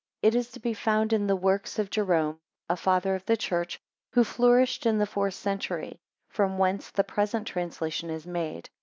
It is to be found in the works of Jerome, a Father of the Church, who flourished in the fourth century, from whence the present translation is made.